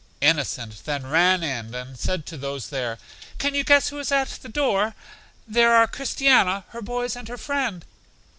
Innocent then ran in and said to those there, Can you guess who is at the door? There are Christiana, her boys and her friend!